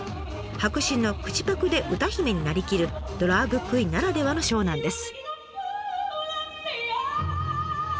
迫真の口パクで歌姫になりきるドラァグクイーンならではのショーなんです。